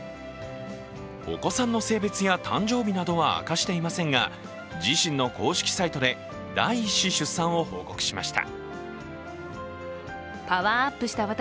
お子さんの性別や誕生日などは明かしていませんが、自身の公式サイトで第１子出産を報告しました。